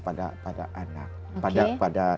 pada anak pada